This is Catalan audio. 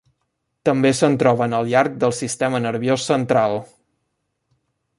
També se'n troben al llarg del sistema nerviós central.